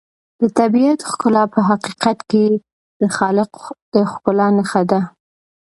د طبیعت ښکلا په حقیقت کې د خالق د ښکلا نښه ده.